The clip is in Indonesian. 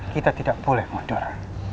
kita tidak boleh mundur